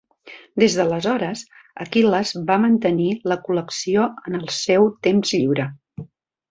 Des de l'aleshores, Aquil·les va mantenir la Col·lecció en el seu temps lliure.